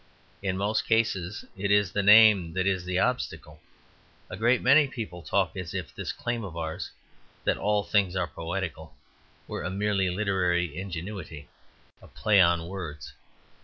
In most cases it is the name that is the obstacle. A great many people talk as if this claim of ours, that all things are poetical, were a mere literary ingenuity, a play on words.